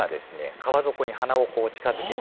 川底に鼻をこう近づけて。